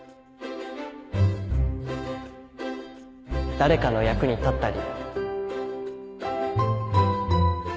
誰かの役に立ったり。